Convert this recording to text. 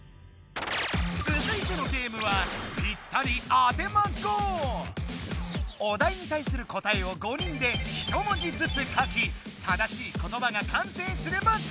つづいてのゲームはお題に対する答えを５人で一文字ずつ書き正しいことばがかんせいすれば成功だ！